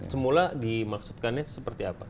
semula dimaksudkannya seperti apa